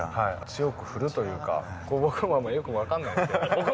強く振るというか、僕もあんまよく分かんないんだけど。